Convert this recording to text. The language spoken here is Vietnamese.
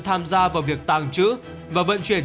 tham gia vào việc tàng trữ và vận chuyển